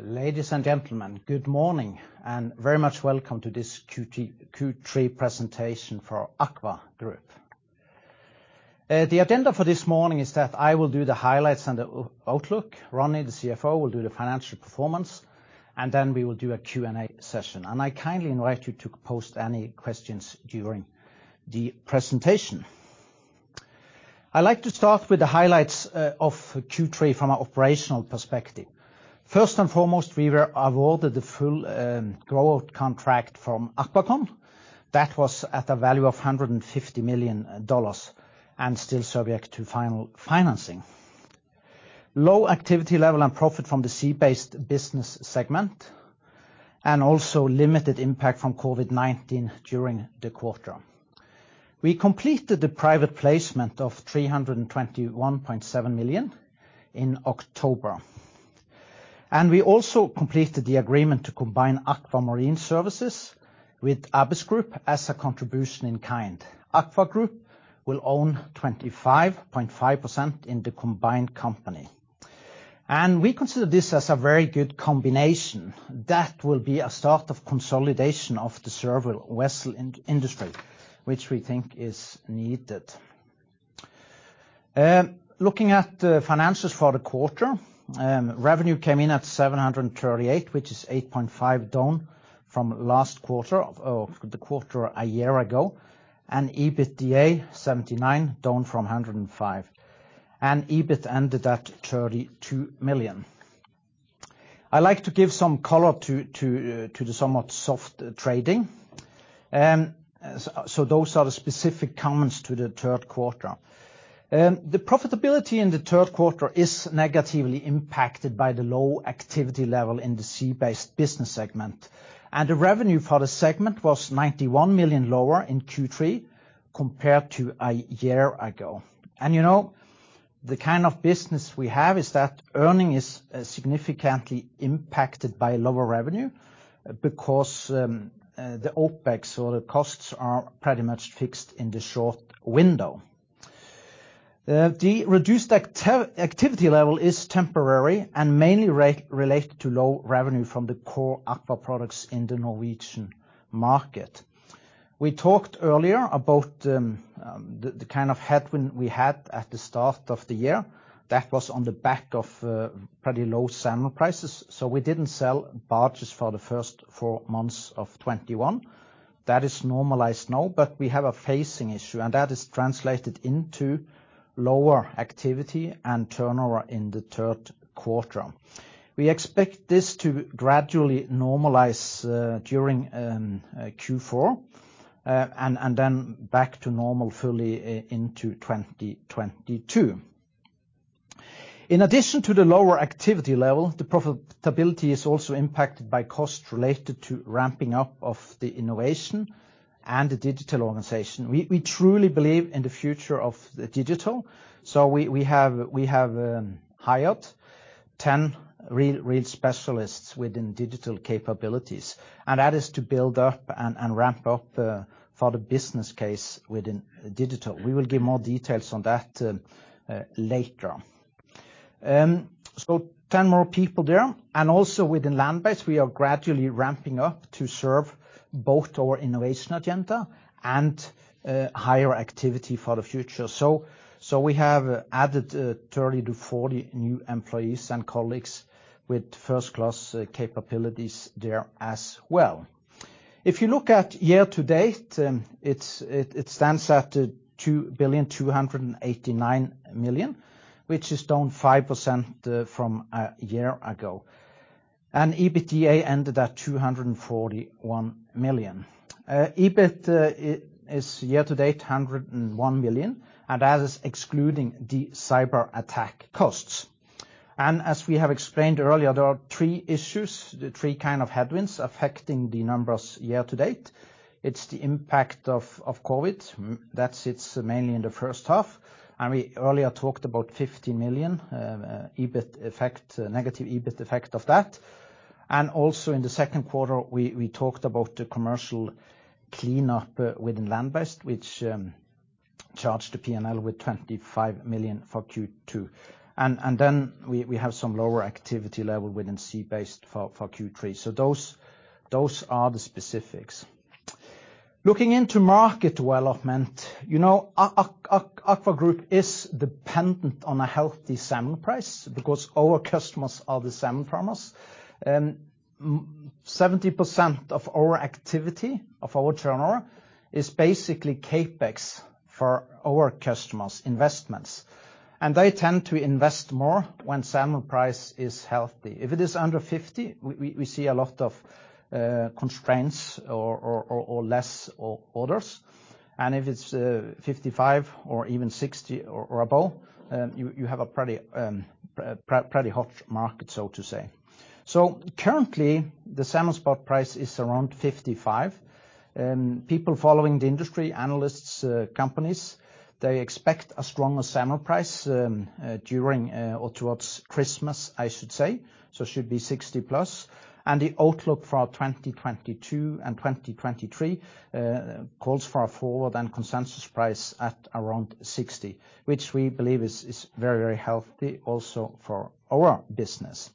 Ladies and gentlemen, good morning, and very much welcome to this Q3 presentation for AKVA Group. The agenda for this morning is that I will do the highlights and the outlook. Ronnie, the CFO, will do the financial performance, and then we will do a Q&A session. I kindly invite you to post any questions during the presentation. I like to start with the highlights of Q3 from operational perspective. First and foremost, we were awarded the full grow-out contract from AquaCon. That was at a value of $150 million and still subject to final financing. Low activity level and profit from the sea-based business segment, and also limited impact from COVID-19 during the quarter. We completed the private placement of 321.7 million in October. We also completed the agreement to combine AKVA Marine Services with Abyss Group as a contribution in kind. AKVA Group will own 25.5% in the combined company. We consider this as a very good combination that will be a start of consolidation of the service vessel industry, which we think is needed. Looking at the finances for the quarter, revenue came in at 738, which is 8.5% down from last quarter or the quarter a year ago. EBITDA 79, down from 105. EBIT ended at 32 million. I like to give some color to the somewhat soft trading. Those are the specific comments to the Q3. The profitability in the Q3 is negatively impacted by the low activity level in the sea-based business segment, and the revenue for the segment was 91 million lower in Q3 compared to a year ago. You know, the kind of business we have is that earnings are significantly impacted by lower revenue because the OPEX or the costs are pretty much fixed in the short window. The reduced activity level is temporary and mainly related to low revenue from the core AKVA products in the Norwegian market. We talked earlier about the kind of headwind we had at the start of the year. That was on the back of pretty low salmon prices. We didn't sell barges for the first four months of 2021. That is normalized now, but we have a phasing issue, and that is translated into lower activity and turnover in the Q3. We expect this to gradually normalize during Q4 and then back to normal fully into 2022. In addition to the lower activity level, the profitability is also impacted by costs related to ramping up of the innovation and the digital organization. We truly believe in the future of the digital. We have hired 10 real specialists within digital capabilities, and that is to build up and ramp up for the business case within digital. We will give more details on that later. 10 more people there. Also within land-based, we are gradually ramping up to serve both our innovation agenda and higher activity for the future. We have added 30-40 new employees and colleagues with first-class capabilities there as well. If you look at year to date, it stands at 2,289 million, which is down 5% from a year ago. EBITDA ended at 241 million. EBIT is year to date 101 million, and that is excluding the cyberattack costs. As we have explained earlier, there are three issues, the three kind of headwinds affecting the numbers year to date. It's the impact of COVID. That sits mainly in the first half. We earlier talked about 50 million negative EBIT effect of that. Also in the Q2 we talked about the commercial cleanup within land-based, which charged the P&L with 25 million for Q2. Then we have some lower activity level within sea-based for Q3. Those are the specifics. Looking into market development, AKVA Group is dependent on a healthy salmon price because our customers are the salmon farmers. 70% of our activity of our turnover is basically CapEx for our customers' investments. They tend to invest more when salmon price is healthy. If it is under 50, we see a lot of constraints or less orders. If it's 55 or even 60 or above, you have a pretty hot market, so to say. Currently, the salmon spot price is around 55. People following the industry, analysts, companies, they expect a stronger salmon price during or towards Christmas, I should say. It should be 60+. The outlook for our 2022 and 2023 calls for a forward and consensus price at around 60, which we believe is very healthy also for our business.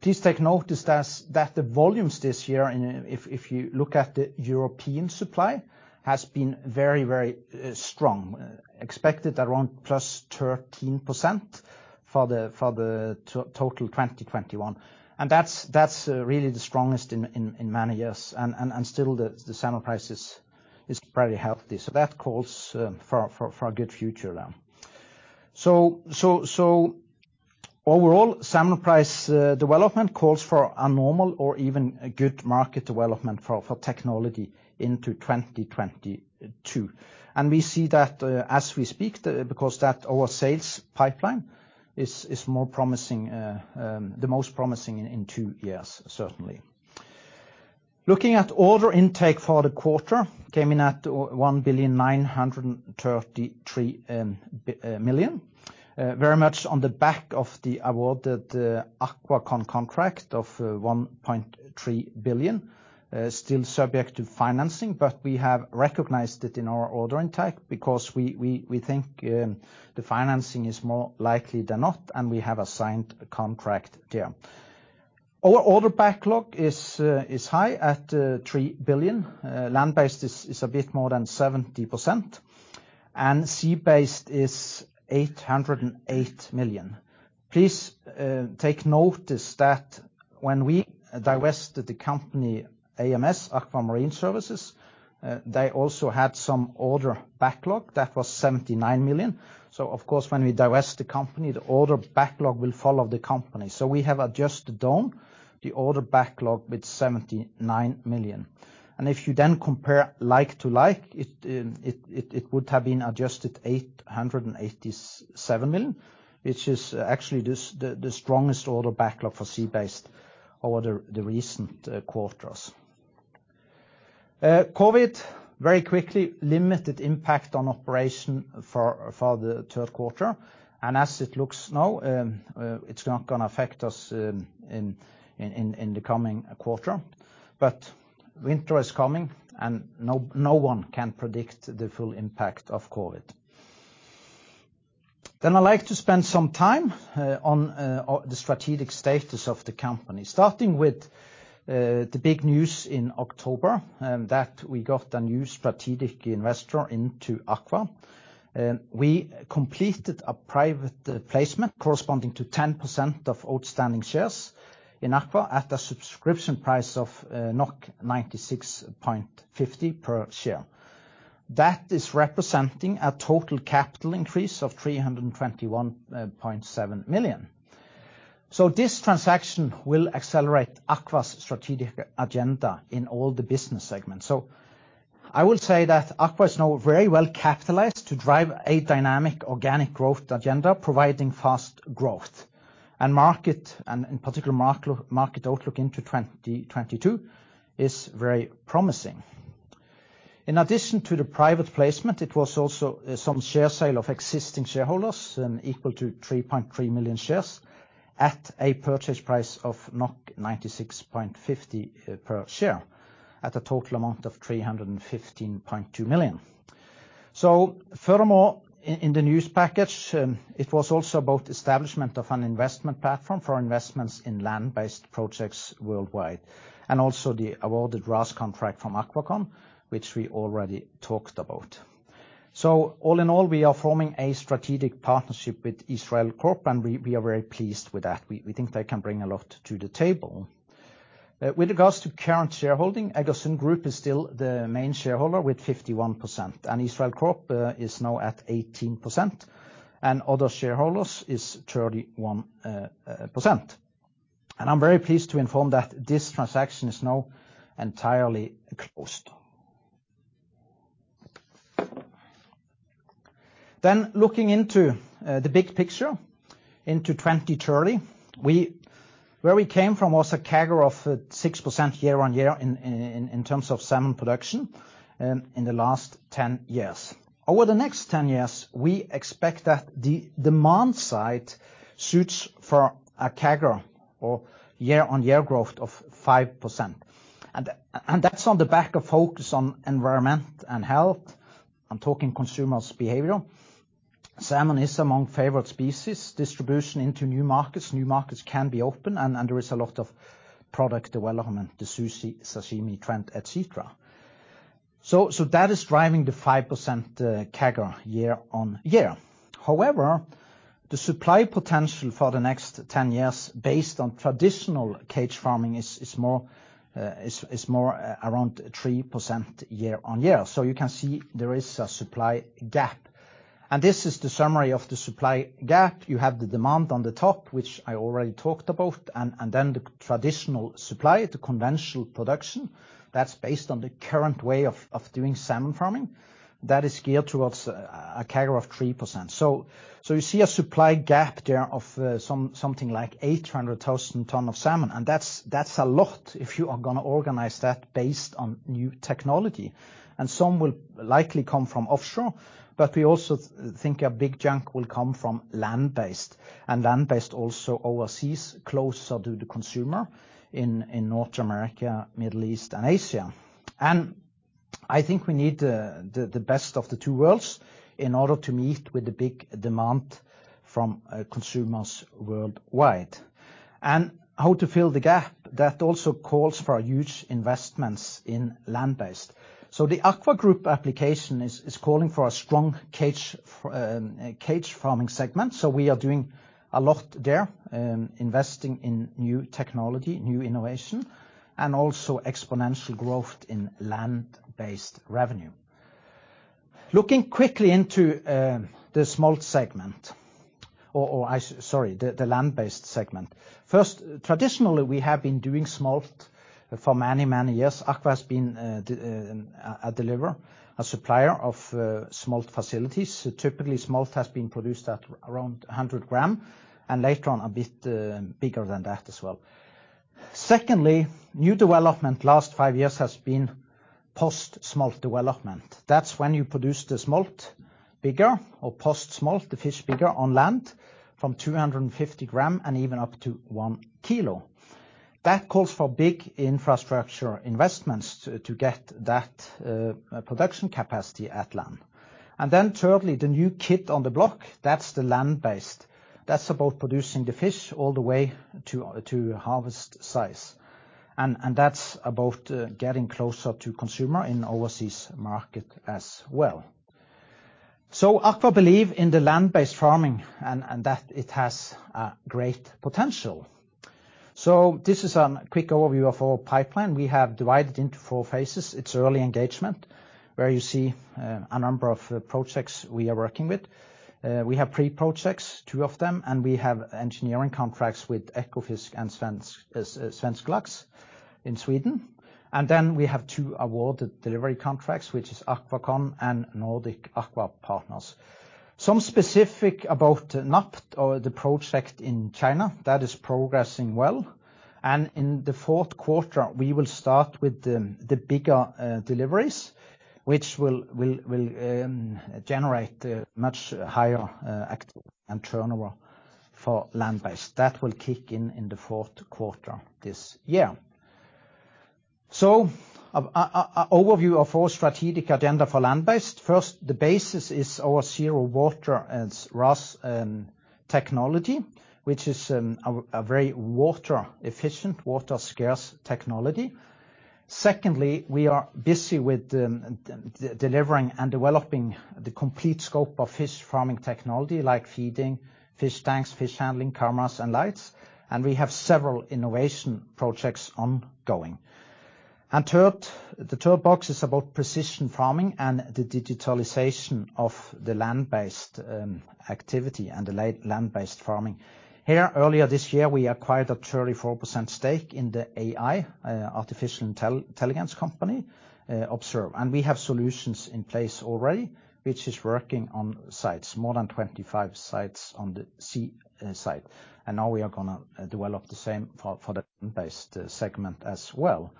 Please take notice that the volumes this year and if you look at the European supply has been very strong. Expected around +13% for the total 2021. That's really the strongest in many years and still the salmon price is very healthy. That calls for a good future now. Overall, salmon price development calls for a normal or even a good market development for technology into 2022. We see that as we speak, because our sales pipeline is more promising, the most promising in 2 years, certainly. Looking at order intake for the quarter came in at 1.933 billion. Very much on the back of the awarded AquaCon contract of 1.3 billion, still subject to financing, but we have recognized it in our order intake because we think the financing is more likely than not, and we have a signed contract there. Our order backlog is high at 3 billion. Land-based is a bit more than 70%, and sea-based is 808 million. Please, take notice that when we divested the company AMS, AKVA Marine Services, they also had some order backlog that was 79 million. Of course, when we divest the company, the order backlog will follow the company. We have adjusted down the order backlog with 79 million. If you then compare like to like, it would have been adjusted 887 million, which is actually the strongest order backlog for SeaBased over the recent quarters. COVID, very quickly limited impact on operation for the Q3. As it looks now, it's not going to affect us in the coming quarter. Winter is coming, and no one can predict the full impact of COVID. I'd like to spend some time on the strategic status of the company, starting with the big news in October that we got a new strategic investor into AKVA. We completed a private placement corresponding to 10% of outstanding shares in AKVA at a subscription price of 96.50 per share. That is representing a total capital increase of 321.7 million. This transaction will accelerate AKVA's strategic agenda in all the business segments. I would say that AKVA is now very well capitalized to drive a dynamic organic growth agenda, providing fast growth. Market, in particular market outlook into 2022 is very promising. In addition to the private placement, it was also some share sale of existing shareholders and equal to 3.3 million shares at a purchase price of 96.50 per share at a total amount of 315.2 million. Furthermore, in the news package, it was also about establishment of an investment platform for investments in land-based projects worldwide. Also the awarded RAS contract from AquaCon, which we already talked about. All in all, we are forming a strategic partnership with Israel Corp., and we are very pleased with that. We think they can bring a lot to the table. With regards to current shareholding, Egersund Group is still the main shareholder with 51%, and Israel Corp. is now at 18%, and other shareholders is 31%. I'm very pleased to inform that this transaction is now entirely closed. Looking into the big picture into 2030, where we came from was a CAGR of 6% year-on-year in terms of salmon production in the last 10 years. Over the next 10 years, we expect that the demand side suits for a CAGR or year-on-year growth of 5%. That's on the back of focus on environment and health. I'm talking consumers behavior. Salmon is among favorite species, distribution into new markets. New markets can be open, and there is a lot of product development, the sushi, sashimi trend, et cetera. That is driving the 5% CAGR year-on-year. However, the supply potential for the next 10 years based on traditional cage farming is more around 3% year-over-year. You can see there is a supply gap. This is the summary of the supply gap. You have the demand on the top, which I already talked about, and then the traditional supply, the conventional production, that's based on the current way of doing salmon farming. That is geared towards a CAGR of 3%. You see a supply gap there of something like 800,000 tons of salmon. That's a lot if you are gonna organize that based on new technology. Some will likely come from offshore, but we also think a big chunk will come from land-based. Land-based also overseas, closer to the consumer in North America, Middle East, and Asia. I think we need the best of the two worlds in order to meet the big demand from consumers worldwide. How to fill the gap that also calls for huge investments in land-based. The AKVA Group application is calling for a strong cage farming segment, so we are doing a lot there, investing in new technology, new innovation, and also exponential growth in land-based revenue. Looking quickly into the smolt segment or the land-based segment. First, traditionally, we have been doing smolt for many years. AKVA has been a deliverer, a supplier of smolt facilities. Typically, smolt has been produced at around 100 grams and later on a bit bigger than that as well. Second, new development last 5 years has been post-smolt development. That's when you produce the smolt bigger or post-smolt the fish bigger on land from 250 grams and even up to 1 kilo. That calls for big infrastructure investments to get that production capacity at land. Then thirdly, the new kid on the block, that's the land-based. That's about producing the fish all the way to harvest size. And that's about getting closer to consumer in overseas market as well. AKVA believe in the land-based farming and that it has a great potential. This is a quick overview of our pipeline. We have divided into four phases. It's early engagement, where you see a number of projects we are working with. We have pre-projects, two of them, and we have engineering contracts with Ekofisk and Premium Svensk Lax in Sweden. Then we have two awarded delivery contracts, which is AquaCon and Nordic Aqua Partners. Some specifics about NOAP or the project in China, that is progressing well. In the Q4, we will start with the bigger deliveries, which will generate a much higher and turnover for land-based. That will kick in in the Q4 this year. An overview of our strategic agenda for land-based. First, the basis is our Zero Water and RAS technology, which is a very water efficient, water scarce technology. Secondly, we are busy with delivering and developing the complete scope of fish farming technology like feeding, fish tanks, fish handling, cameras and lights, and we have several innovation projects ongoing. Third, the third box is about precision farming and the digitalization of the land-based activity and the land-based farming. Here, earlier this year, we acquired a 34% stake in the AI artificial intelligence company Observe. We have solutions in place already, which is working on sites, more than 25 sites on the seaside. Now we are gonna develop the same for the land-based segment as well.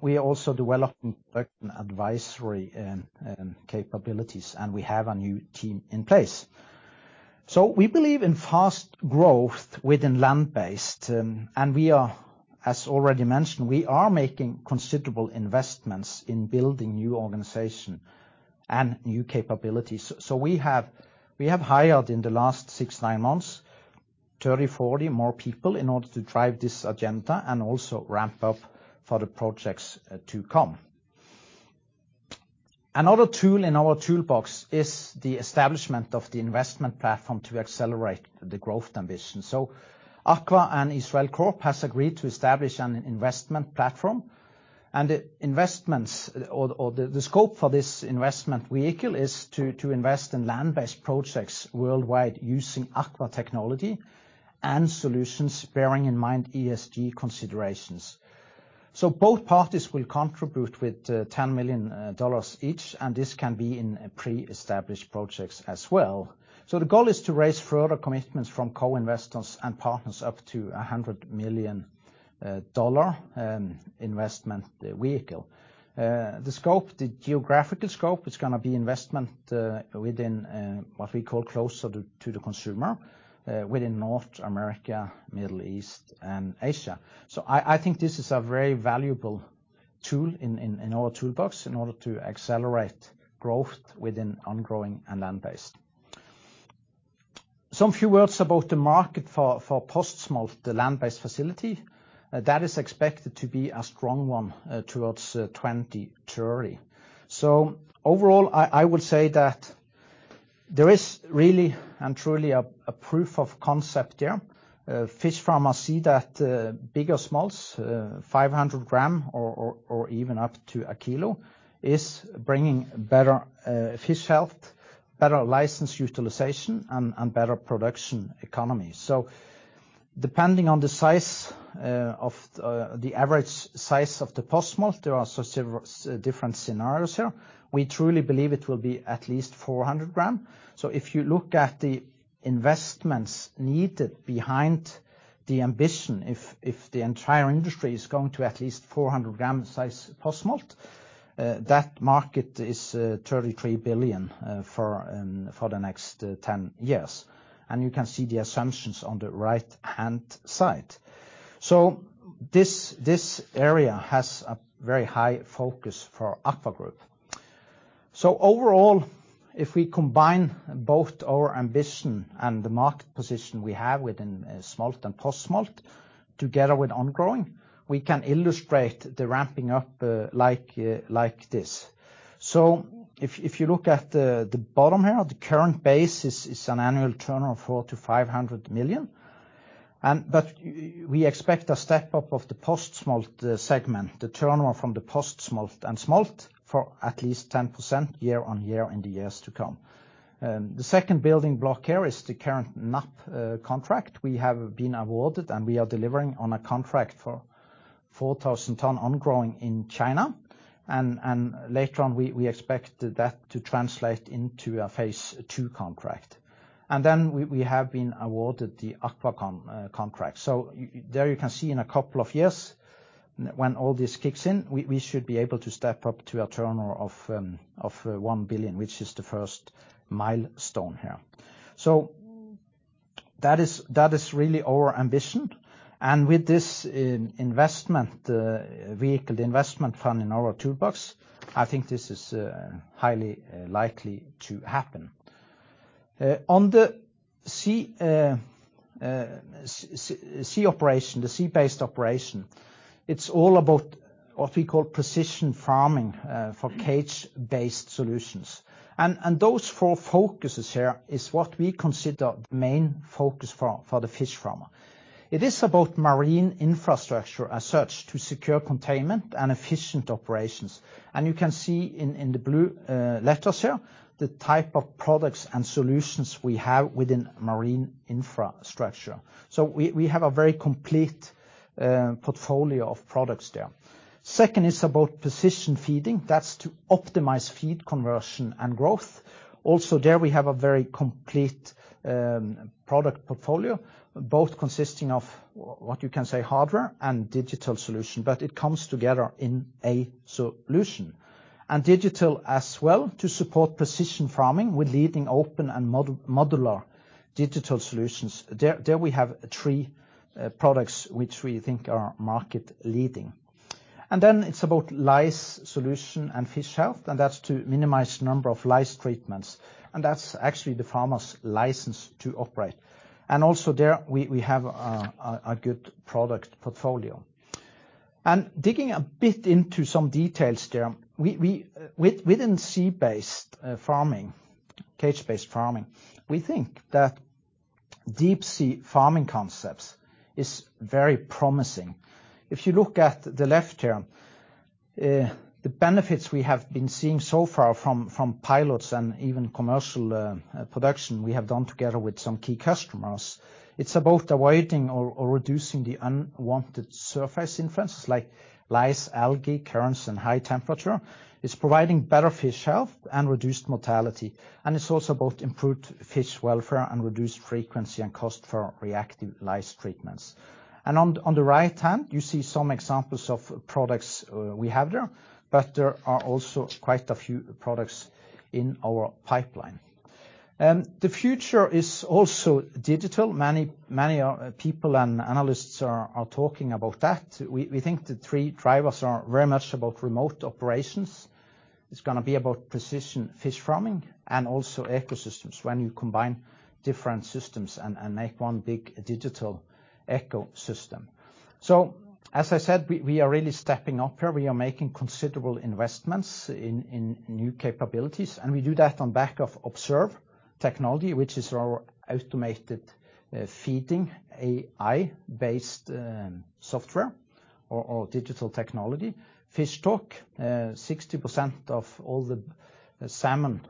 We are also developing product and advisory and capabilities, and we have a new team in place. We believe in fast growth within land-based, and we are, as already mentioned, making considerable investments in building new organization and new capabilities. We have hired in the last 6-9 months, 30-40 more people in order to drive this agenda and also ramp up for the projects to come. Another tool in our toolbox is the establishment of the investment platform to accelerate the growth ambition. AKVA and Israel Corp has agreed to establish an investment platform, and the scope for this investment vehicle is to invest in land-based projects worldwide using AKVA technology and solutions bearing in mind ESG considerations. Both parties will contribute with $10 million each, and this can be in pre-established projects as well. The goal is to raise further commitments from co-investors and partners up to $100 million investment vehicle. The scope, the geographical scope is gonna be investment within what we call closer to the consumer within North America, Middle East, and Asia. I think this is a very valuable tool in our toolbox in order to accelerate growth within ongrowing and land-based. Some few words about the market for post-smolt, the land-based facility. That is expected to be a strong one towards 2030. Overall, I would say that there is really and truly a proof of concept here. Fish farmers see that bigger smolts, 500 gram or even up to a kilo, is bringing better fish health, better license utilization and better production economy. Depending on the size of the average size of the post-smolt, there are several different scenarios here. We truly believe it will be at least 400 gram. If you look at the investments needed behind the ambition, if the entire industry is going to at least 400 gram size post-smolt, that market is 33 billion for the next 10 years. You can see the assumptions on the right-hand side. This area has a very high focus for AKVA Group. Overall, if we combine both our ambition and the market position we have within smolt and post-smolt together with on-growing, we can illustrate the ramping up like this. If you look at the bottom here, the current base is an annual turnover of 400 million-500 million, and but we expect a step up of the post-smolt segment, the turnover from the post-smolt and smolt for at least 10% year-over-year in the years to come. The second building block here is the current NAP contract we have been awarded, and we are delivering on a contract for 4,000 ton on-growing in China and later on we expect that to translate into a phase two contract. We have been awarded the AquaCon contract. There you can see in a couple of years when all this kicks in, we should be able to step up to a turnover of 1 billion, which is the first milestone here. That is really our ambition. With this investment vehicle, the investment fund in our toolbox, I think this is highly likely to happen. On the sea-based operation, it is all about what we call precision farming for cage-based solutions. Those four focuses here is what we consider the main focus for the fish farmer. It is about marine infrastructure as such to secure containment and efficient operations. You can see in the blue letters here the type of products and solutions we have within marine infrastructure. We have a very complete portfolio of products there. Second is about precision feeding. That's to optimize feed conversion and growth. Also there we have a very complete product portfolio, both consisting of what you can say hardware and digital solution, but it comes together in a solution. Digital as well to support precision farming with leading open and modular digital solutions. There we have three products which we think are market leading. Then it's about lice solution and fish health, and that's to minimize number of lice treatments, and that's actually the farmer's license to operate. Also there we have a good product portfolio. Digging a bit into some details there, we within sea-based farming, cage-based farming, we think that deep-sea farming concepts is very promising. If you look at the left here, the benefits we have been seeing so far from pilots and even commercial production we have done together with some key customers, it's about avoiding or reducing the unwanted surface influences like lice, algae, currents and high temperature. It's providing better fish health and reduced mortality, and it's also about improved fish welfare and reduced frequency and cost for reactive lice treatments. On the right hand you see some examples of products we have there, but there are also quite a few products in our pipeline. The future is also digital. Many people and analysts are talking about that. We think the three drivers are very much about remote operations. It's gonna be about precision fish farming and also ecosystems when you combine different systems and make one big digital ecosystem. As I said, we are really stepping up here. We are making considerable investments in new capabilities, and we do that on back of Observe Technologies, which is our automated feeding AI-based software or digital technology. Fishtalk, 60% of all the salmon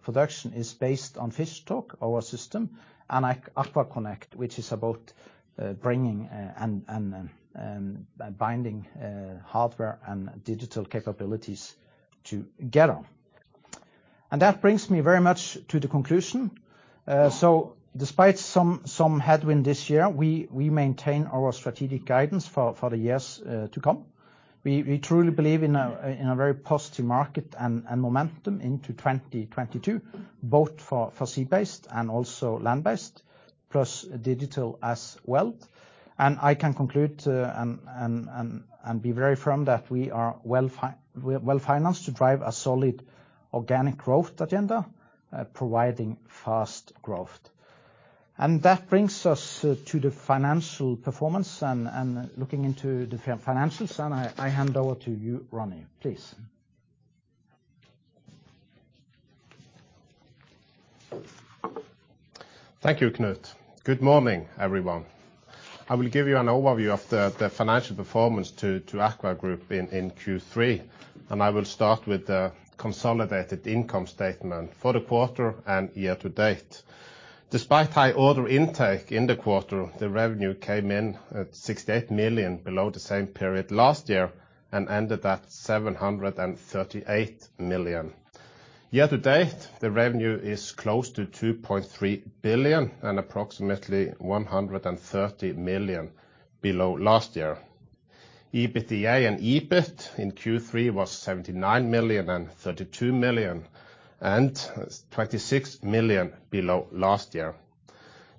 production is based on Fishtalk, our system. AKVA connect, which is about bringing and binding hardware and digital capabilities together. That brings me very much to the conclusion. Despite some headwind this year, we maintain our strategic guidance for the years to come. We truly believe in a very positive market and momentum into 2022, both for sea-based and also land-based, plus digital as well. I can conclude and be very firm that we are well financed to drive a solid organic growth agenda, providing fast growth. That brings us to the financial performance and looking into the financials. I hand over to you, Ronny, please. Thank you, Knut. Good morning, everyone. I will give you an overview of the financial performance of AKVA Group in Q3, and I will start with the consolidated income statement for the quarter and year to date. Despite high order intake in the quarter, the revenue came in at 68 million below the same period last year and ended at 738 million. Year to date, the revenue is close to 2.3 billion and approximately 130 million below last year. EBITDA and EBIT in Q3 was 79 million and 32 million, and twenty-six million below last year.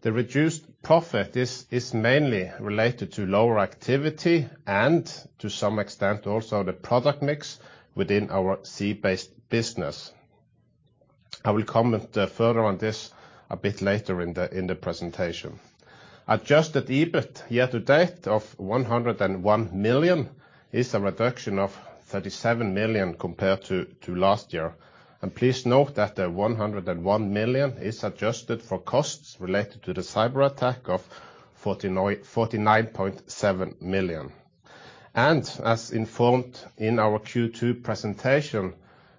The reduced profit is mainly related to lower activity and to some extent also the product mix within our sea-based business. I will comment further on this a bit later in the presentation. Adjusted EBIT year to date of 101 million is a reduction of 37 million compared to last year. Please note that the 101 million is adjusted for costs related to the cyberattack of 49.7 million. As informed in our Q2 presentation,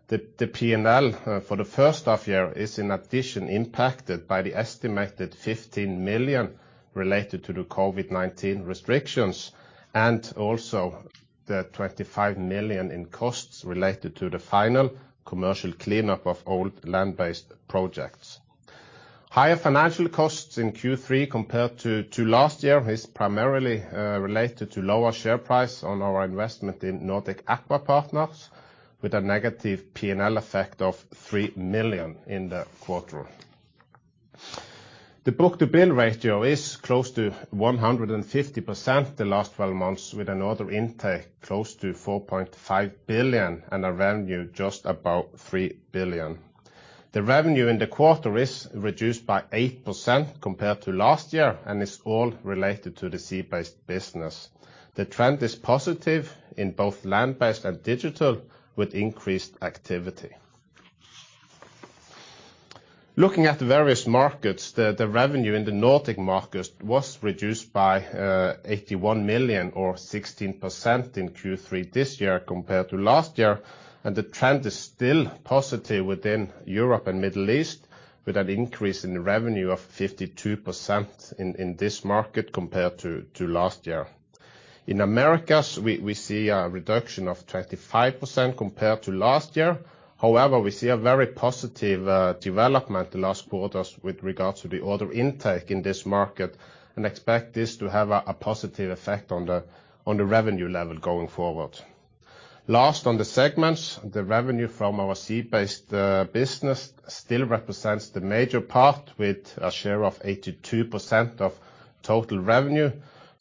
the P&L for the first half year is in addition impacted by the estimated 15 million related to the COVID-19 restrictions and also the 25 million in costs related to the final commercial cleanup of old land-based projects. Higher financial costs in Q3 compared to last year is primarily related to lower share price on our investment in Nordic Aqua Partners with a negative P&L effect of 3 million in the quarter. The book-to-bill ratio is close to 150% the last twelve months with another intake close to 4.5 billion and a revenue just about 3 billion. The revenue in the quarter is reduced by 8% compared to last year and is all related to the sea-based business. The trend is positive in both land-based and digital with increased activity. Looking at the various markets, the revenue in the Nordic markets was reduced by 81 million or 16% in Q3 this year compared to last year, and the trend is still positive within Europe and Middle East with an increase in revenue of 52% in this market compared to last year. In Americas, we see a reduction of 25% compared to last year. However, we see a very positive development in the last quarters with regards to the order intake in this market and expect this to have a positive effect on the revenue level going forward. Last on the segments, the revenue from our sea-based business still represents the major part with a share of 82% of total revenue,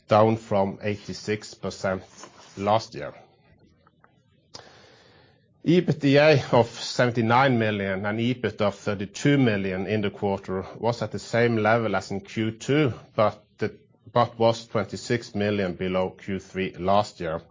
down from 86% last year. EBITDA of 79 million and EBIT of 32 million in the quarter was at the same level as in Q2, but was 26 million below Q3 last year.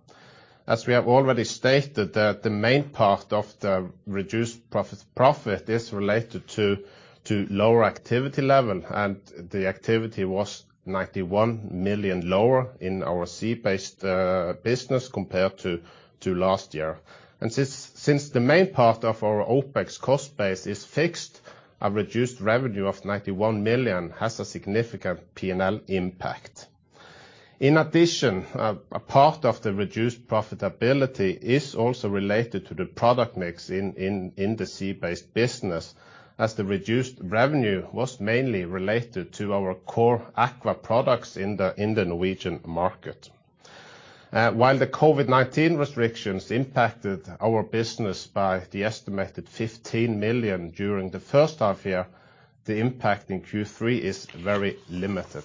As we have already stated, the main part of the reduced profit is related to lower activity level, and the activity was 91 million lower in our sea-based business compared to last year. Since the main part of our OPEX cost base is fixed, a reduced revenue of 91 million has a significant P&L impact. In addition, a part of the reduced profitability is also related to the product mix in the sea-based business as the reduced revenue was mainly related to our core AKVA products in the Norwegian market. While the COVID-19 restrictions impacted our business by the estimated 15 million during the first half year, the impact in Q3 is very limited.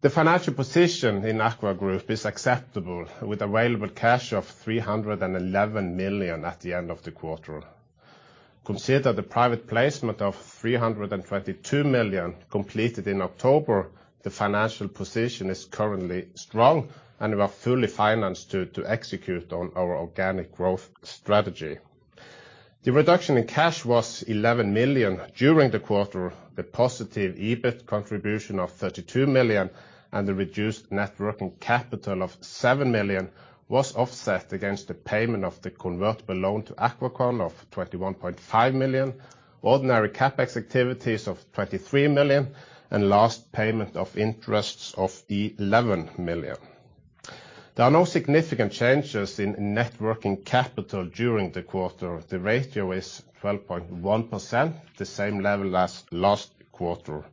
The financial position in AKVA Group is acceptable with available cash of 311 million at the end of the quarter. Considering the private placement of 322 million completed in October, the financial position is currently strong, and we are fully financed to execute on our organic growth strategy. The reduction in cash was 11 million during the quarter, the positive EBIT contribution of 32 million, and the reduced net working capital of 7 million was offset against the payment of the convertible loan to AquaCon of 21.5 million, ordinary CapEx activities of 23 million, and last payment of interests of 11 million. There are no significant changes in net working capital during the quarter. The ratio is 12.1%, the same level as last quarter.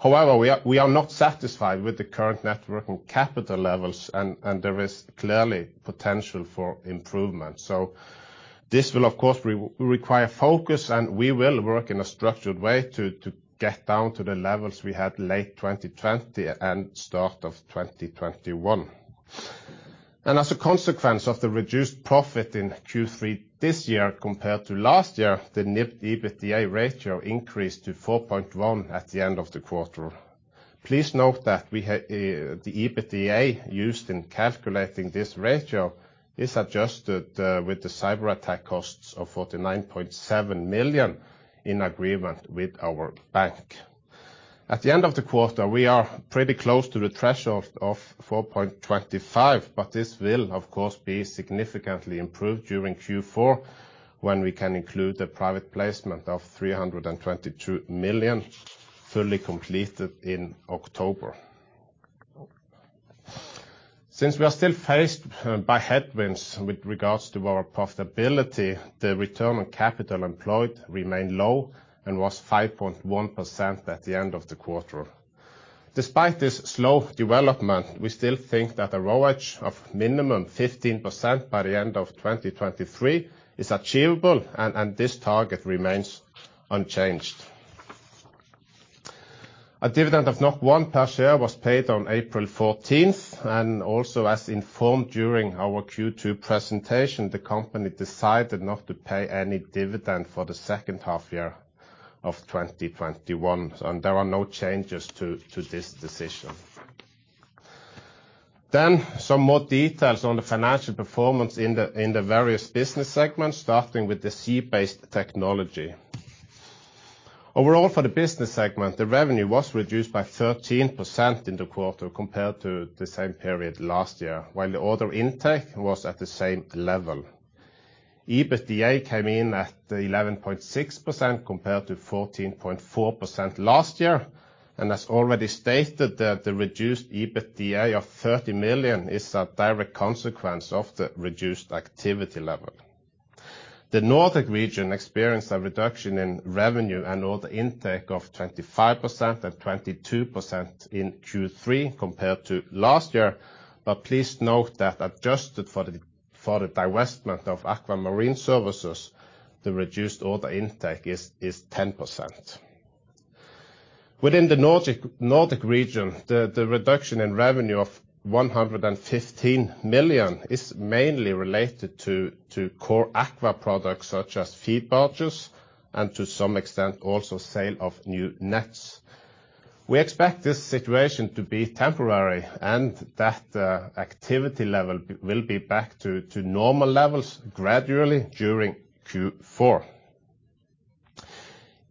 However, we are not satisfied with the current net working capital levels and there is clearly potential for improvement. This will of course require focus, and we will work in a structured way to get down to the levels we had late 2020 and start of 2021. As a consequence of the reduced profit in Q3 this year compared to last year, the NIBD/EBITDA ratio increased to 4.1 at the end of the quarter. Please note that the EBITDA used in calculating this ratio is adjusted with the cyberattack costs of 49.7 million in agreement with our bank. At the end of the quarter, we are pretty close to the threshold of 4.25, but this will of course be significantly improved during Q4 when we can include the private placement of 322 million fully completed in October. Since we are still faced by headwinds with regards to our profitability, the return on capital employed remained low and was 5.1% at the end of the quarter. Despite this slow development, we still think that the ROAC of minimum 15% by the end of 2023 is achievable, and this target remains unchanged. A dividend of 1 per share was paid on April fourteenth, and also as informed during our Q2 presentation, the company decided not to pay any dividend for the second half year of 2021. There are no changes to this decision. Some more details on the financial performance in the various business segments, starting with the sea-based technology. Overall for the business segment, the revenue was reduced by 13% in the quarter compared to the same period last year, while the order intake was at the same level. EBITDA came in at 11.6% compared to 14.4% last year. As already stated, the reduced EBITDA of 30 million is a direct consequence of the reduced activity level. The Nordic region experienced a reduction in revenue and order intake of 25% and 22% in Q3 compared to last year. Please note that adjusted for the divestment of AKVA Marine Services, the reduced order intake is 10%. Within the Nordic region, the reduction in revenue of 115 million is mainly related to core AKVA products such as feed barges and to some extent, also sale of new nets. We expect this situation to be temporary and that activity level will be back to normal levels gradually during Q4.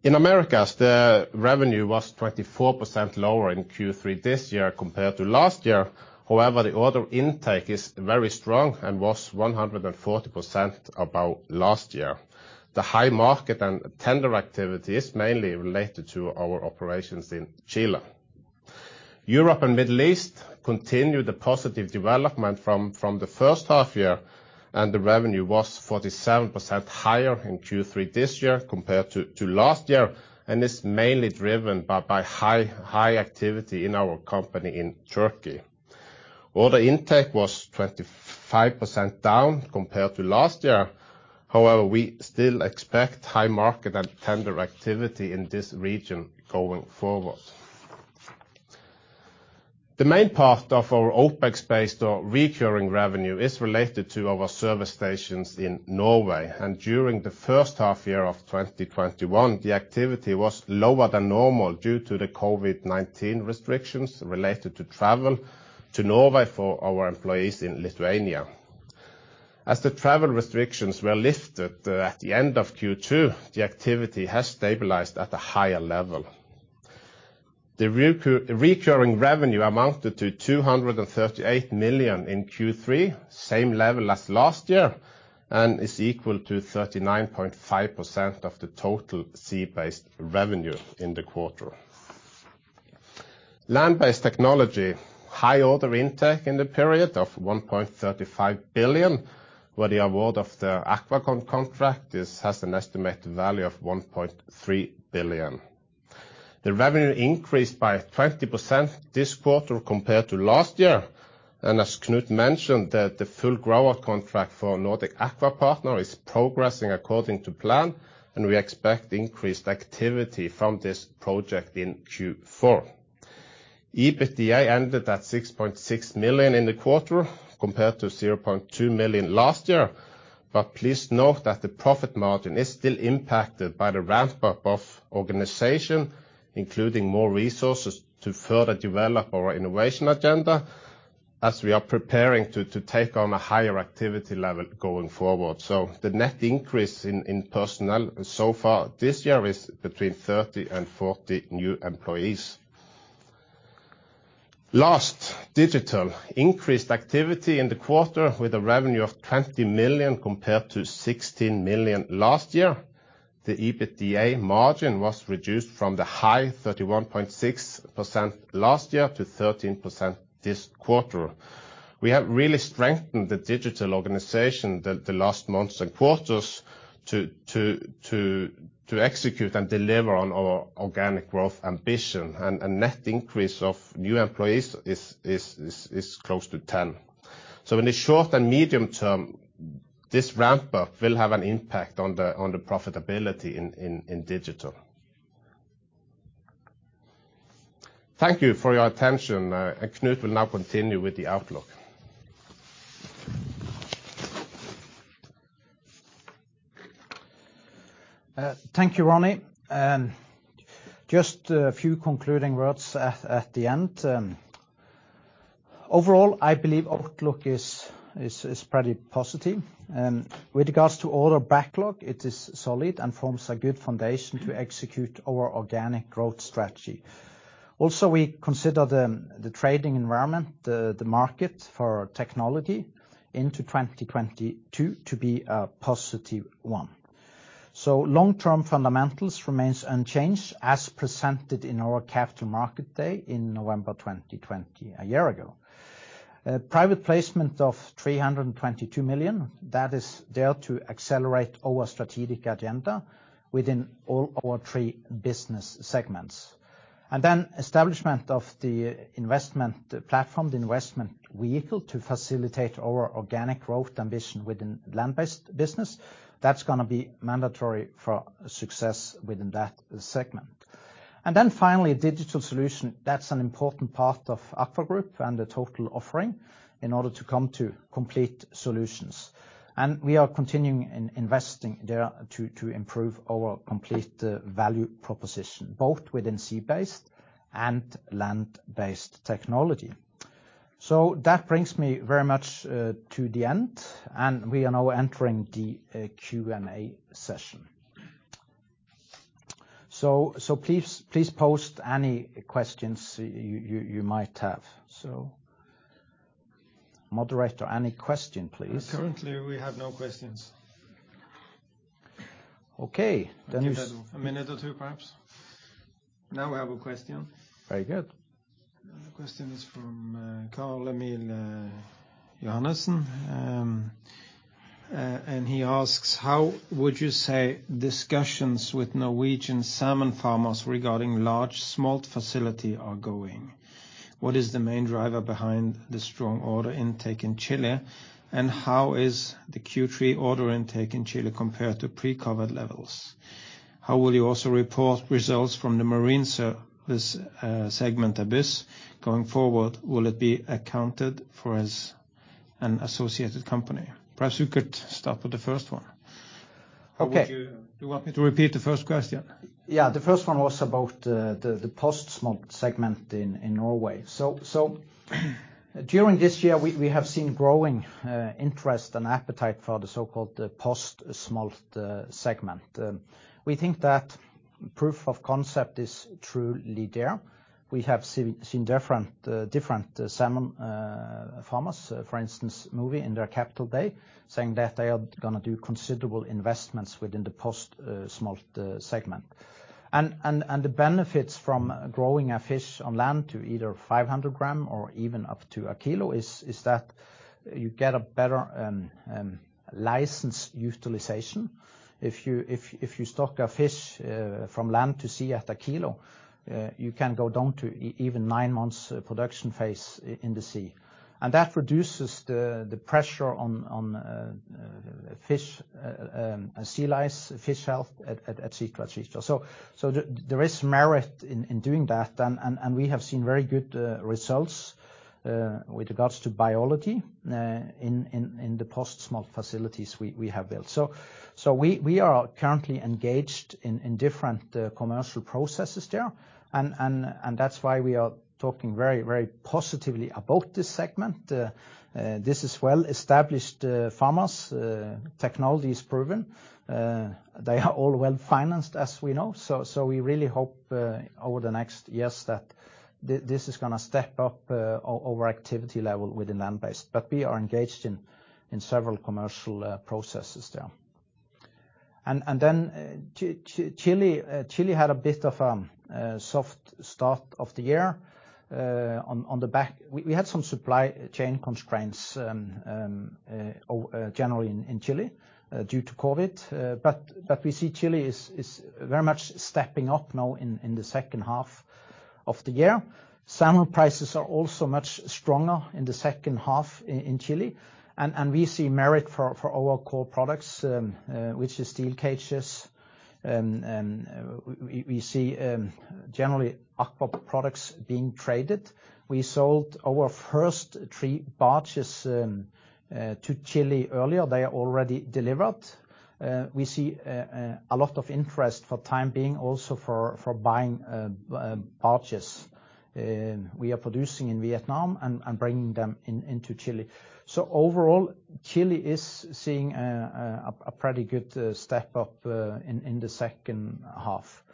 In Americas, the revenue was 24% lower in Q3 this year compared to last year. However, the order intake is very strong and was 140% above last year. The high market and tender activity is mainly related to our operations in Chile. Europe and Middle East continued the positive development from the first half year, and the revenue was 47% higher in Q3 this year compared to last year, and is mainly driven by high activity in our company in Turkey. Order intake was 25% down compared to last year. However, we still expect high market and tender activity in this region going forward. The main part of our OPEX-based or recurring revenue is related to our service stations in Norway. During the first half year of 2021, the activity was lower than normal due to the COVID-19 restrictions related to travel to Norway for our employees in Lithuania. As the travel restrictions were lifted at the end of Q2, the activity has stabilized at a higher level. The recurring revenue amounted to 238 million in Q3, same level as last year, and is equal to 39.5% of the total sea-based revenue in the quarter. Land-based technology, high order intake in the period of 1.35 billion, where the award of the AquaCon contract is, has an estimated value of 1.3 billion. The revenue increased by 20% this quarter compared to last year. As Knut mentioned, the full grower contract for Nordic Aqua Partners is progressing according to plan, and we expect increased activity from this project in Q4. EBITDA ended at 6.6 million in the quarter, compared to 0.2 million last year. Please note that the profit margin is still impacted by the ramp-up of organization, including more resources to further develop our innovation agenda as we are preparing to take on a higher activity level going forward. The net increase in personnel so far this year is between 30 and 40 new employees. Lastly, digital. Increased activity in the quarter with a revenue of 20 million compared to 16 million last year. The EBITDA margin was reduced from the high 31.6% last year to 13% this quarter. We have really strengthened the digital organization the last months and quarters to execute and deliver on our organic growth ambition. A net increase of new employees is close to 10. In the short and medium term, this ramp-up will have an impact on the profitability in digital. Thank you for your attention. Knut will now continue with the outlook. Thank you, Ronny. Just a few concluding words at the end. Overall, I believe outlook is pretty positive. With regards to order backlog, it is solid and forms a good foundation to execute our organic growth strategy. Also, we consider the trading environment, the market for technology into 2022 to be a positive one. Long-term fundamentals remains unchanged as presented in our Capital Markets Day in November 2020, a year ago. Private placement of 322 million, that is there to accelerate our strategic agenda within all our three business segments. Establishment of the investment platform, the investment vehicle to facilitate our organic growth ambition within land-based business, that's gonna be mandatory for success within that segment. Then finally, digital solution, that's an important part of AKVA Group and the total offering in order to come to complete solutions. We are continuing in investing there to improve our complete value proposition, both within sea-based and land-based technology. That brings me very much to the end, and we are now entering the Q&A session. Please post any questions you might have. Moderator, any question, please? Currently, we have no questions. Okay. Give it a minute or two, perhaps. Now we have a question. Very good. The question is from Carl-Emil Kjølås-Johannessen. He asks, "How would you say discussions with Norwegian salmon farmers regarding large smolt facility are going? What is the main driver behind the strong order intake in Chile? And how is the Q3 order intake in Chile compared to pre-COVID levels? How will you also report results from the marine segment Abyss going forward? Will it be accounted for as an associated company?" Perhaps you could start with the first one. Okay. Do you want me to repeat the first question? Yeah. The first one was about the post-smolt segment in Norway. During this year, we have seen growing interest and appetite for the so-called post-smolt segment. We think that proof of concept is truly there. We have seen different salmon farmers, for instance, Mowi, in their Capital Markets Day, saying that they are gonna do considerable investments within the post-smolt segment. The benefits from growing a fish on land to either 500 grams or even up to 1 kilo is that you get a better license utilization. If you stock a fish from land to sea at a kilo, you can go down to even nine months production phase in the sea. That reduces the pressure on fish, sea lice, fish health, etc. There is merit in doing that. We have seen very good results with regards to biology in the post-smolt facilities we have built. We are currently engaged in different commercial processes there, and that's why we are talking very positively about this segment. This is well-established farmers, technology is proven. They are all well-financed, as we know. We really hope over the next years that this is gonna step up our activity level with the land-based. We are engaged in several commercial processes there. Chile had a bit of a soft start of the year on the back. We had some supply chain constraints generally in Chile due to COVID. We see Chile is very much stepping up now in the second half of the year. Salmon prices are also much stronger in the second half in Chile. We see merit for our core products, which is steel cages. We see generally AKVA products being traded. We sold our first three barges to Chile earlier. They are already delivered. We see a lot of interest for the time being also for buying barges, we are producing in Vietnam and bringing them into Chile. Overall, Chile is seeing a pretty good step up in the second half.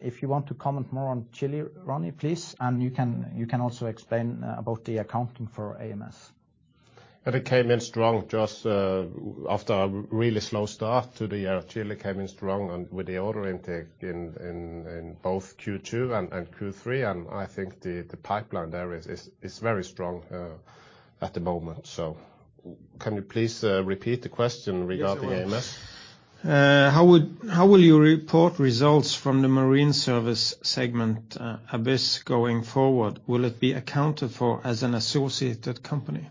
If you want to comment more on Chile, Ronny, please, and you can also explain about the accounting for AMS. It came in strong just after a really slow start to the year. Chile came in strong and with the order intake in both Q2 and Q3, and I think the pipeline there is very strong at the moment. Can you please repeat the question regarding AMS? Yes, I will. How will you report results from the marine service segment, Abyss going forward? Will it be accounted for as an associated company?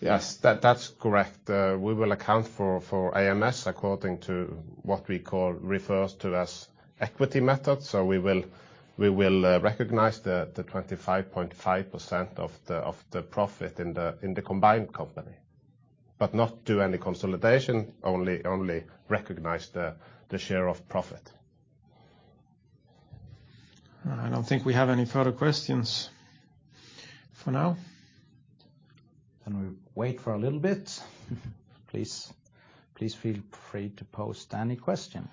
Yes. That's correct. We will account for AMS according to what we refer to as equity method. We will recognize the 25.5% of the profit in the combined company, but not do any consolidation, only recognize the share of profit. I don't think we have any further questions for now. We wait for a little bit. Please feel free to post any question.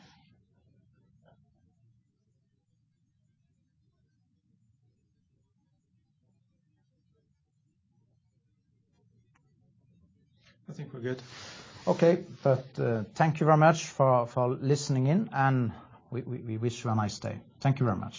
I think we're good. Thank you very much for listening in, and we wish you a nice day. Thank you very much.